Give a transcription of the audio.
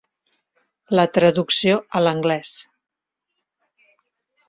La traducció a l'anglès.